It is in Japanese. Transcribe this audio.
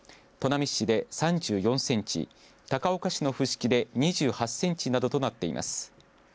砺波市で３４センチ高岡市の伏木で２８センチなどとなっています。